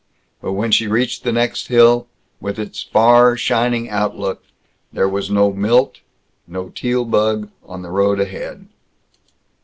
But when she reached the next hill, with its far shining outlook, there was no Milt and no Teal bug on the road ahead.